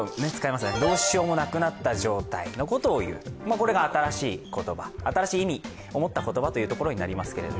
これが新しい意味を持った言葉ということになりますけれども。